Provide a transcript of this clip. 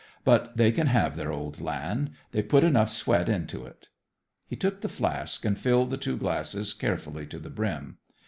But they can have their old land; they've put enough sweat into it." He took the flask and filled the two glasses carefully to the brim.